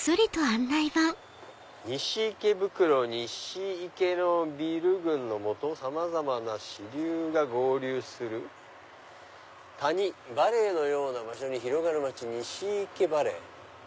「『西池袋』のビル群の下さまざまな支流が合流する『谷』のような場所に広がる街ニシイケバレイ」。